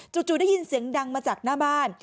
จู่ได้ยินเสียงดังมาจากหน้าบ้าน